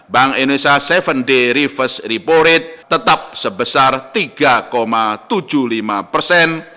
bank indonesia tujuh day reverse repo rate tetap sebesar tiga tujuh puluh lima persen